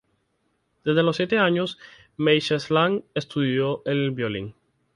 Desde los siete años Mieczysław estudió el violín.